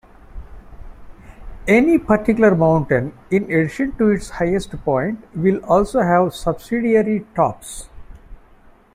Any particular mountain, in addition to its highest point, will also have subsidiary "tops".